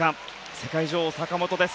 世界女王、坂本です。